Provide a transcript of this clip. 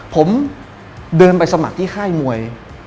ผมเดินไปสมัครที่ค่ายมวย